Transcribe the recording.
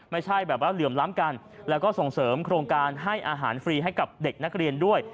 ไม่ใช่แบบว่าเหลื่อมล้ำกันแล้วก็ส่งเสริมโครงการให้อาหารฟรีให้กับเด็กนักเรียนด้วย